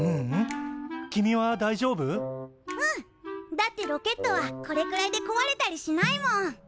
だってロケットはこれくらいでこわれたりしないもん！